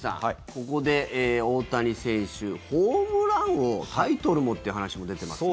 ここで大谷選手ホームラン王、タイトルもって話も出てますが。